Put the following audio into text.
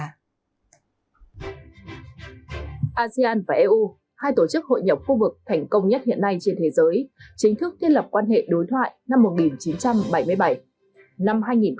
asean và eu hai tổ chức hội nhập khu vực thành công nhất hiện nay trên thế giới chính thức thiết lập quan hệ đối thoại năm một nghìn chín trăm bảy mươi bảy